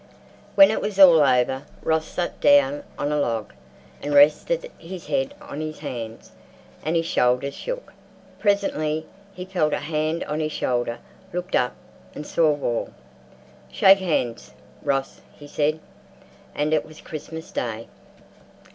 When it was all over Ross sat down on a log and rested his head on his hands, and his shoulders shook. Presently he felt a hand on his shoulder, looked up, and saw Wall. "Shake hands, Ross," he said. And it was Christmas Day.